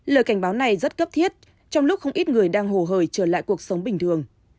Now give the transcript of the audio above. lời cảnh báo này rất cấp thiết trong lúc không ít người đang hồ hời trở lại cuộc sống bình thường